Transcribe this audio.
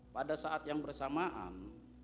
pada saat yang bersamaan